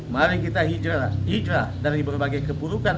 mari kita hijrah dari berbagai kepurukan